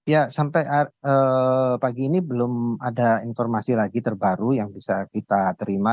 ya sampai pagi ini belum ada informasi lagi terbaru yang bisa kita terima